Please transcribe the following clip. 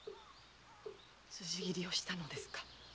辻斬りをしたのですか？